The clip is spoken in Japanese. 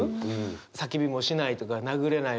「叫びもしない」とか「殴れないよ」